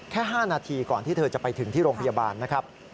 แค่๕นาทีก่อนที่เธอจะไปถึงที่โรงพยาบาลนะครับ